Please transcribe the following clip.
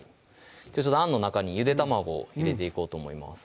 あんの中にゆで卵を入れていこうと思います